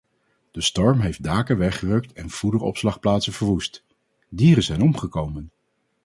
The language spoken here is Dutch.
De storm heeft daken weggerukt en voederopslagplaatsen verwoest; dieren zijn omgekomen.